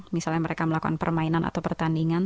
misalnya mereka melakukan permainan atau pertandingan